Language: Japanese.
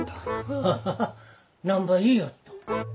ハハハッなんば言いよっと。